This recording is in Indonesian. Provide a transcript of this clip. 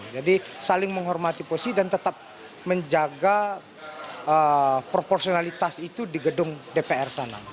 jadi saling menghormati posisi dan tetap menjaga proporsionalitas itu di gedung dpr sana